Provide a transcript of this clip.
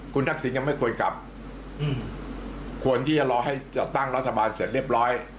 คุณทักษิณยังไม่ควรกลับควรที่จะรอให้จัดตั้งรัฐบาลเสร็จเรียบร้อย